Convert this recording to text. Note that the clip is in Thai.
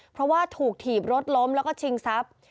เพราะว่าถูกถีบรถล้มแล้วก็ชิงทรัพย์